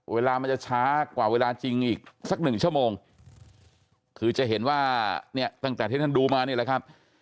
เวลามันจะช้ากว่าเวลาจริงอีกสักหนึ่งชั่วโมงคือจะเห็นว่าเนี่ยตั้งแต่ที่ท่านดูมานี่แหละครับ